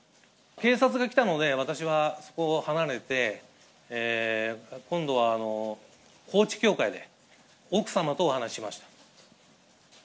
警察が来たので、私はそこを離れて、今度は高知教会で奥様とお話ししました。